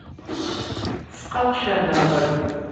Tesqaqec ɣer daxel.